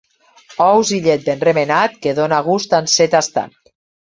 Ous i llet ben remenat que dóna gust en ser tastat.